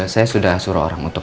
saya sudah suruh orang untuk